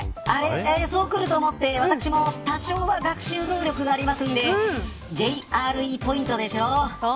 そうくると思って私も多少は学習能力がありますんでそう、ＪＲＥポイント。